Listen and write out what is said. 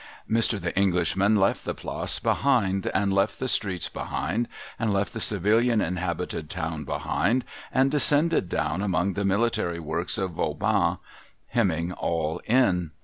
Mr. The Englishman left the Place behind, and left the streets behind, and left the civilian inhabited town behind, and descended down among the military works of Vauban, hemming all in.